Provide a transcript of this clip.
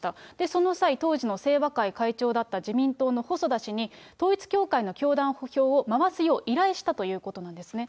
その際、当時の清和会会長だった自民党の細田氏に、統一教会の教団票を回すよう依頼したということなんですね。